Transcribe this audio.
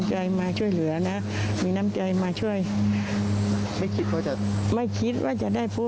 ไม่เคยนึกเลย